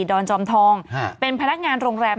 อนจอมทองเป็นพนักงานโรงแรม